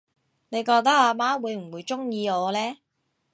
你覺得阿媽會唔會鍾意我呢？